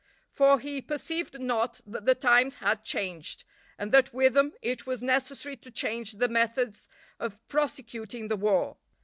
For he perceived not that the times had changed, and that with them it was necessary to change the methods of prosecuting the war.